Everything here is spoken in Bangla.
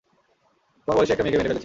তোমার বয়সী একটা মেয়েকে মেরে ফেলেছে।